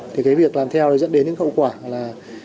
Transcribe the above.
thì cái việc làm theo dẫn đến những khẩu quả là